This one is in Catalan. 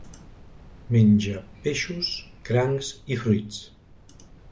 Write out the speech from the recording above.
Menja peixos, crancs i fruits.